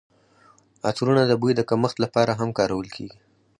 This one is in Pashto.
عطرونه د بوی د کمښت لپاره هم کارول کیږي.